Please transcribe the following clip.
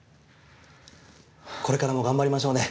これからも頑張りましょうね。